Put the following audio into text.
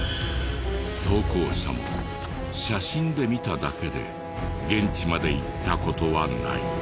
投稿者も写真で見ただけで現地まで行った事はない。